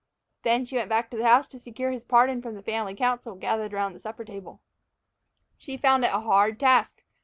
Then she went back to the house to secure his pardon from the family council gathered about the supper table. She found it a hard task.